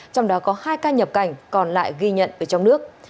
trong đó có hai ca nhập cảnh còn lại ghi nhận ở trong nước